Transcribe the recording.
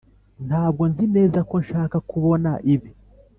ntabwo nzi neza ko nshaka kubona ibi.